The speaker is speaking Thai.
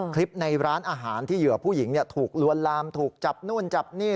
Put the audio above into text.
คลิปในร้านอาหารที่เหยื่อผู้หญิงถูกลวนลามถูกจับนู่นจับนี่